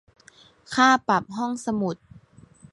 ค่าปรับห้องหมุด